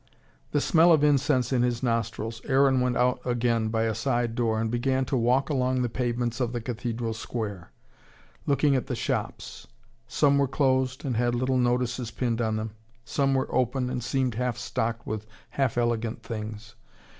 The smell of incense in his nostrils, Aaron went out again by a side door, and began to walk along the pavements of the cathedral square, looking at the shops. Some were closed, and had little notices pinned on them. Some were open, and seemed half stocked with half elegant things.